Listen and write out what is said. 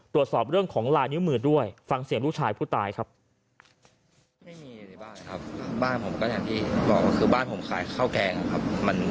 ตรวจสอบเรื่องของลายนิ้วมือด้วยฟังเสียงลูกชายผู้ตายครับ